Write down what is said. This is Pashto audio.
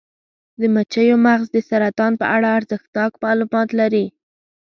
د مچیو مغز د سرطان په اړه ارزښتناک معلومات لري.